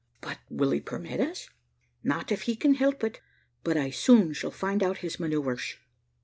"But will he permit us?" "Not if he can help it; but I shall soon find out his manoeuvres."